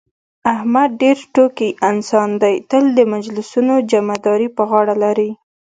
احمد ډېر ټوکي انسان دی، تل د مجلسونو جمعه داري په غاړه لري.